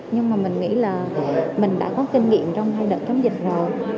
nhưng mà mình nghĩ là mình đã có kinh nghiệm trong hai đợt chống dịch rồi